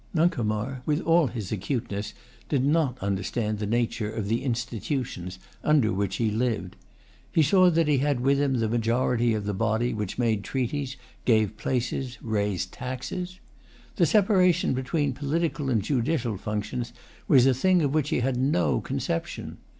Nuncomar, with all his acuteness, did not understand the nature of the institutions under which he lived. He saw that he had with him the majority of the body which made treaties, gave places, raised taxes. The separation between political and judicial functions was a thing of which he had no conception.